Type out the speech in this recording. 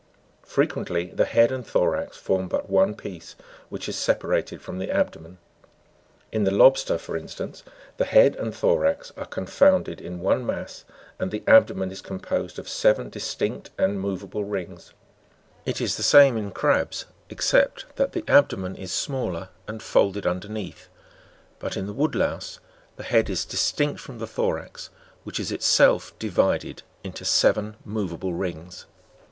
Frequently the head and thorax form but one piece, which is separated from the abdo men. In the lobster, for instance, the head and thorax are con founded in one mass, and the abdomen is composed of seven distinct and movable rings (Jig. 61, b). It is the same in crabs, except that the abdomen is smaller, and folded underneath ; but in the wood louse, the head is distinct from the thorax, which is itself divided into seven movable rings.